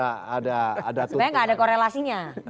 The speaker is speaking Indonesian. sebenarnya tidak ada korelasinya